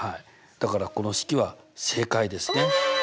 だからこの式は正解ですね。